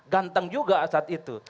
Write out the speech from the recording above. ganteng juga saat itu